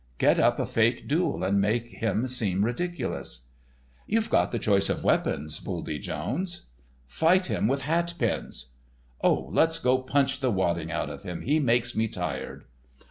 "Get up a fake duel and make him seem ridiculous." "You've got the choice of weapons, Buldy Jones." "Fight him with hat pins." "Oh, let's go punch the wadding out of him—he makes me tired."